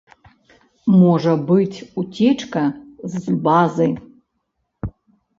Можа быць уцечка з базы.